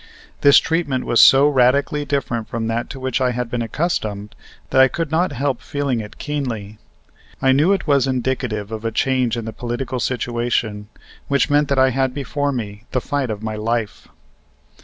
This treatment was so radically different from that to which I had been accustomed that I could not help feeling it keenly. I knew it was indicative of a change in the political situation which meant that I had before me the fight of my life.